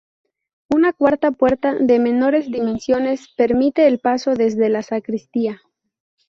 Una cuarta puerta, de menores dimensiones, permite el paso desde la sacristía.